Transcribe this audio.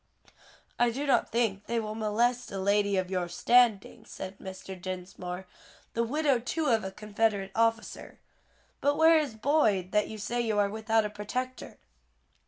"I do not think they will molest a lady of your standing," said Mr. Dinsmore, "the widow too of a Confederate officer. But where is Boyd, that you say you are without a protector?"